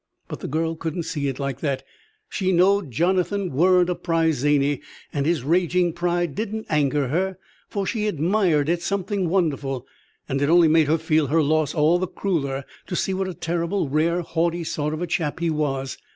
But the girl couldn't see it like that. She knowed Jonathan weren't a prize zany, and his raging pride didn't anger her, for she admired it something wonderful, and it only made her feel her loss all the crueller to see what a terrible rare, haughty sort of a chap he was.